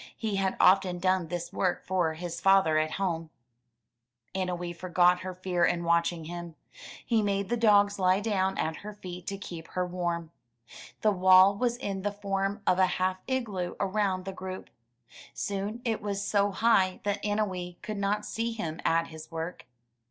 He had often done this work for his father at home. 390 UP ONE PAIR OF STAIRS Anno wee forgot her fear in watching him. He made the dogs He down at her feet to keep her warm. The wall was in the form of a half igloo around the group. Soon it was so high that Annowee could not see him at his work.